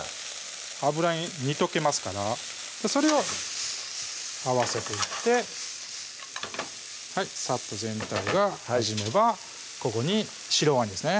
油に煮溶けますからそれを合わせていってさっと全体がなじめばここに白ワインですね